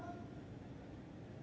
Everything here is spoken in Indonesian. negara ini memang kebanyakan aturan